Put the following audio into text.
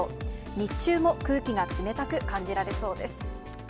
日中も空気が冷たく感じられそうです。